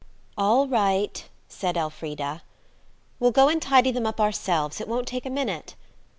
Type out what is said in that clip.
"All right," said Elfrida, "we'll go and tidy them up ourselves. It won't take a minute."